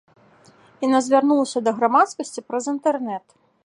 Яна звярнулася да грамадскасці праз інтэрнэт.